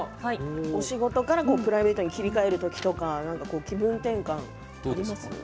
お仕事からプライベートに切り替えるときとか気分転換ありますか？